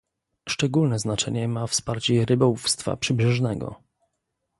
Szczególne znaczenie ma wsparcie rybołówstwa przybrzeżnego